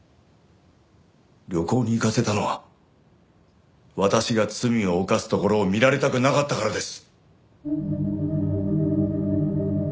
旅行に行かせたのは私が罪を犯すところを見られたくなかったからです。